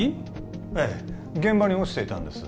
ええ現場に落ちていたんです